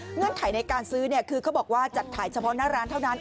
เงื่อนไขในการซื้อคือเขาบอกว่าจัดขายเฉพาะหน้าร้านเท่านั้น